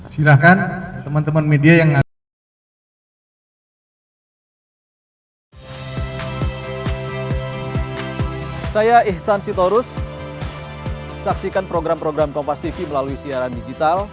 saya ihsan sitorus saksikan program program kompastv melalui siaran digital